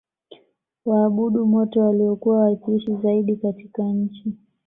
waabudu moto waliokuwa wakiishi zaidi katika nchi